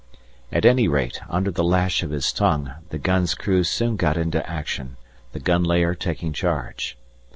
At any rate, under the lash of his tongue, the gun's crew soon got into action, the gun layer taking charge.